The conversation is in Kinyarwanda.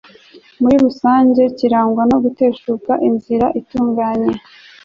muri rusange kirangwa no kuteshuka inzira itunganye